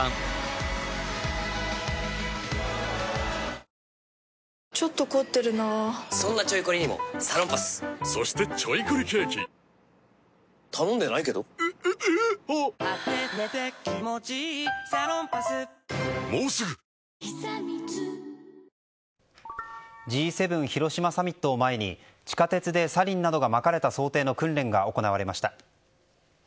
新宿署の１３階の窓が開いた状態でＧ７広島サミットを前に地下鉄でサリンなどがまかれた想定の訓練が行われました。